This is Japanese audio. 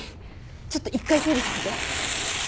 ちょっと一回整理させて。